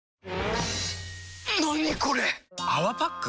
何これ⁉「泡パック」？